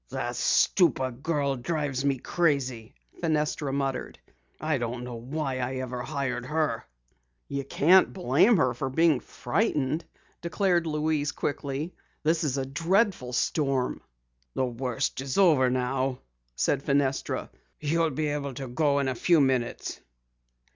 "That stupid girl drives me crazy," Fenestra muttered. "I don't know why I ever hired her." "You can't blame her for being frightened," declared Louise quickly. "This is a dreadful storm." "The worst is over now," said Fenestra. "You'll be able to go in a few minutes."